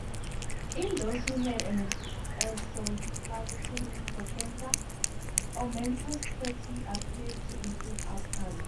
In those who have had an esophagectomy for cancer, omentoplasty appears to improve outcomes.